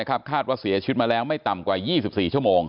คาดว่าเสียชีวิตมาแล้วไม่ต่ำกว่า๒๔ชั่วโมง